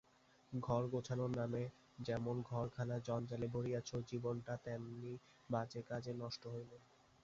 ঘর গোছানোর নামে যেমন ঘরখানা জঞ্জালে ভরিয়াছে, জীবনটা তেমনি বাজে কাজে নষ্ট হইল।